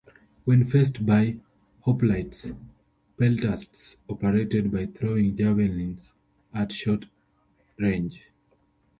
When faced by hoplites, peltasts operated by throwing javelins at short range.